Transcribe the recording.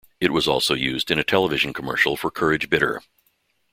It was also used in a television commercial for Courage Bitter.